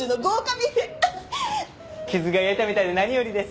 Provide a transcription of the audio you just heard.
傷が癒えたみたいで何よりです。